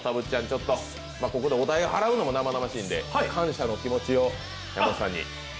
ここでお代を払うのは生々しいんで、感謝の気持ちを山内さんに。